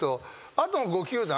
あとの５球団？